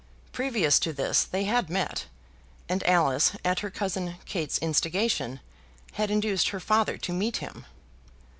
Previous to this they had met; and Alice, at her cousin Kate's instigation, had induced her father to meet him.